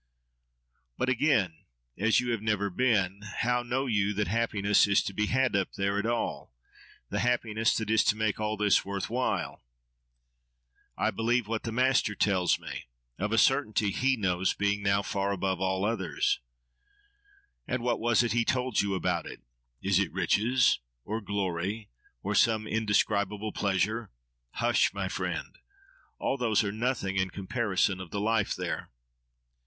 —But again, as you have never been, how know you that happiness is to be had up there, at all—the happiness that is to make all this worth while? —I believe what the master tells me. Of a certainty he knows, being now far above all others. —And what was it he told you about it? Is it riches, or glory, or some indescribable pleasure? —Hush! my friend! All those are nothing in comparison of the life there.